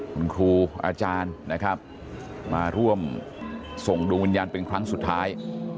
คุณครูอาจารย์นะครับมาร่วมส่งดวงวิญญาณเป็นครั้งสุดท้าย